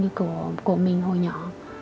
như của mình hồi nhỏ